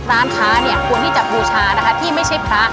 ร้านค้าควรที่จะบูชาที่ไม่ใช่พระ